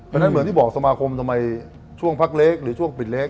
ก็อย่างที่บอกสมองทำไมช่วงพักเล็กหรือช่วงปิดเล็ก